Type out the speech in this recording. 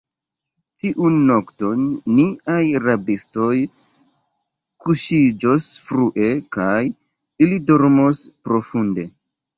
Tiun nokton, niaj rabistoj kuŝiĝos frue, kaj ili dormos profunde.